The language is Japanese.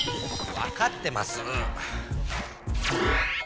分かってますぅ！